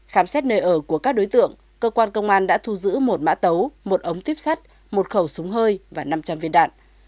khám xét nơi ở của các đối tượng cơ quan công an đã thu giữ một mã tấu một ống tuyếp sắt một khẩu súng hơi và năm trăm linh viên đạn